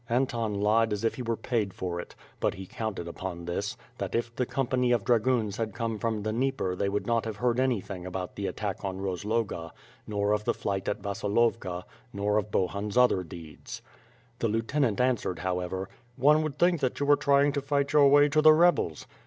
Anton lied as if he were paid for it; but he counted upon this; that if the company of dragoons had come from the Dnieper they would not have heard anything about the at tack on Rozloga, nor of the flight at Vasilovka, nor of Bohun's other deeds. The lieutenant answered however: "One would think that you were trying to fight your way to the rebels."